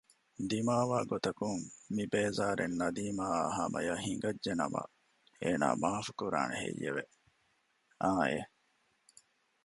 ދިމާވާގޮތަކުން މިބޭޒާރެއް ނަދީމާއާ ހަމަޔަށް ހިނގައްޖެ ނަމަ އޭނާ މާފުކުރާނެ ހެއްޔެވެ؟ އާއެނއް